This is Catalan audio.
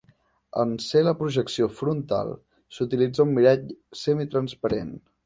En ser la projecció frontal, s’utilitza un mirall semitransparent.